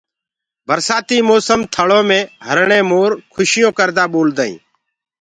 برسآتي موسم ٿݪو مي هرڻي مور کُشيون ڪردآ ٻولدآئين